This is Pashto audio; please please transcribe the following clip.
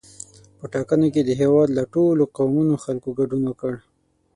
په ټاکنو کې د هېواد له ټولو قومونو خلکو ګډون وکړ.